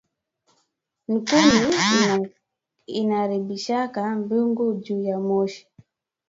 Nkuni inaaribishaka byungu juya moshi